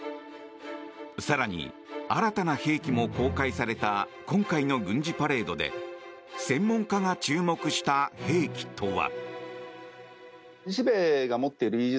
更に、新たな兵器も公開された今回の軍事パレードで専門家が注目した兵器とは。